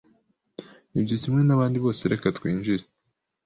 Ibyo kimwe nabandi bose reka twinjire